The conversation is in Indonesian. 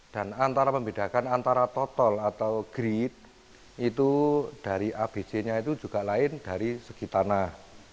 dan antara pembidikan antara total atau grid itu dari abc nya itu juga lain dari segi tanah